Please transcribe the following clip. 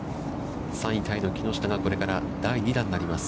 ３位タイの木下がこれから第２打になります。